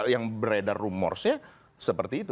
yang beredar rumorsnya seperti itu